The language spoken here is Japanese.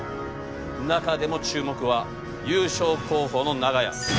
中でも注目は優勝候補の長屋。